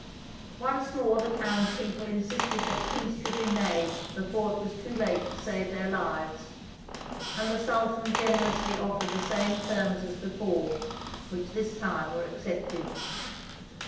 Once more the townspeople insisted that peace should be made before it was too late to save their lives, and the Sultan generously offered the same terms as before, which this time were accepted.